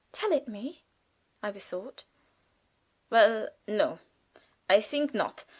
"Tell it me," I besought. "Well, no, I think not.